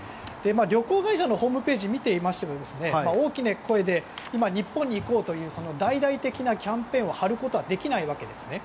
旅行会社のホームページを見ていましても大きな声で今、日本に行こうという大々的なキャンペーンを張ることはできないわけですね。